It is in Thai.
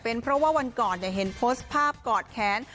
เพราะว่าวันก่อนเห็นโพสต์ภาพกอดแค้น